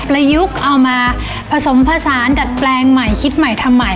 อายุเอามาผสมผสานดัดแปลงใหม่คิดใหม่ทำใหม่